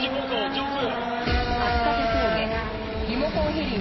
上空！